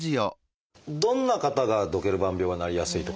どんな方がドケルバン病はなりやすいとかってあるんですか？